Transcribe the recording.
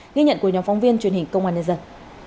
ghi nhận của nhóm phóng viên truyền hình công an nhân dân